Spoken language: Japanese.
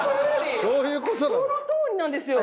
そのとおりなんですよ！